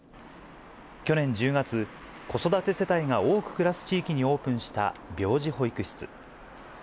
去年１０月、子育て世帯が多く暮らす地域にオープンした病児保育室。